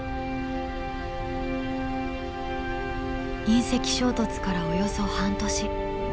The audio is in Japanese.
隕石衝突からおよそ半年。